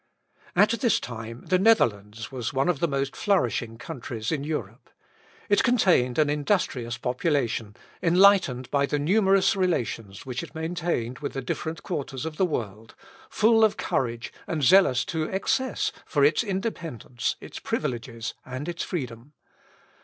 At this time the Netherlands was one of the most flourishing countries in Europe. It contained an industrious population, enlightened by the numerous relations which it maintained with the different quarters of the world, full of courage, and zealous to excess for its independence, its privileges, and its freedom.